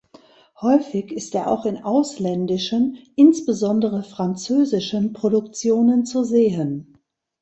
Häufig ist er auch in ausländischen, insbesondere französischen, Produktionen zu sehen.